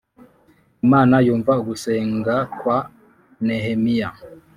Imana yumva gusenga kwa Nehemiya